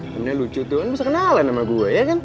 karena lucu tuh bisa kenalan sama gue ya kan